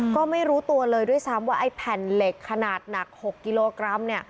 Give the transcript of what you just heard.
ก็ไม่รู้ตัวเลยด้วยซ้ำว่าไอ้แผ่นเหล็กขนาดหนัก๖กิโลกรัม